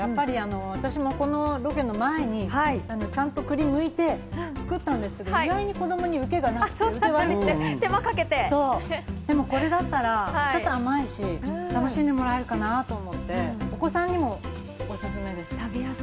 私もこのロケの前にちゃんと栗をむいて作ったんですけど、意外に子供に受けが悪くて、でも、これだったらちょっと甘いし、楽しんでもらえるかなと思って、お子さんにもおすすめです。